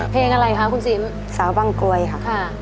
เพลงอะไรคะคุณซิมสาวบางกรวยค่ะ